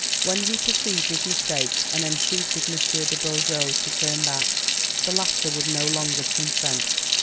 When he perceived his mistake, and entreated M. de Beaujeu to turn back, the latter would no longer consent.